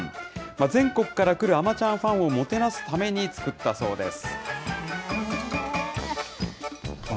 全国から来るあまちゃんファンをもてなすために、作ったそうです。